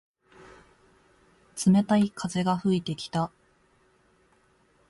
冷たい風が吹いてきた。